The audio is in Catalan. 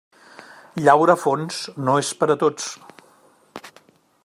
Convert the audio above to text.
Llaurar fons no és per a tots.